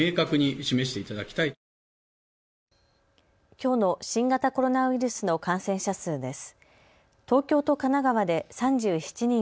きょうの新型コロナウイルスの感染者数です。